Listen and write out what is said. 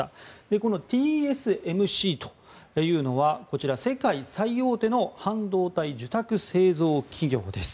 このＴＳＭＣというのはこちら、世界最大手の半導体受託製造企業です。